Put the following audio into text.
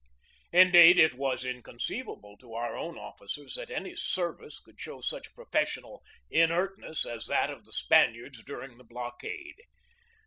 Indeed, it was inconceivable to our own officers that any service could show such professional inert ness as tha*t of the Spaniards during the blockade.